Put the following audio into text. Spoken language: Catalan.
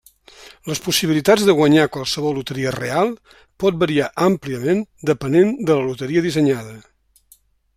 Les possibilitats de guanyar qualsevol loteria real pot variar àmpliament depenent de la loteria dissenyada.